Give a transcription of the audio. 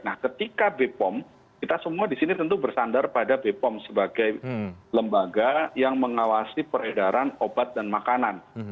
nah ketika bepom kita semua di sini tentu bersandar pada bepom sebagai lembaga yang mengawasi peredaran obat dan makanan